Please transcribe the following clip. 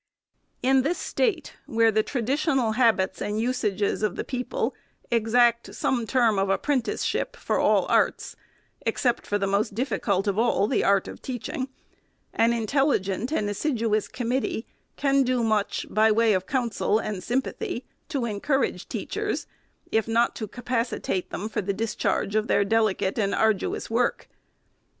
In this State, where the traditional habits and usages of the people exact some term of apprenticeship for all arts — except for the most difficult of all, the art of teach ing— an intelligent and assiduous committee can do much, by way of counsel and sympathy, to encourage teachers, if not to capacitate them for the discharge of their delicate and arduous work.